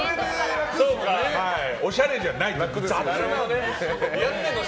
おしゃれじゃない！